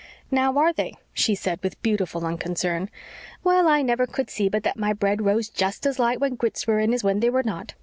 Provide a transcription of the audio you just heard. "Now, are they?" she said, with beautiful unconcern. "Well, I never could see but that my bread rose just as light when Grits were in as when they were not.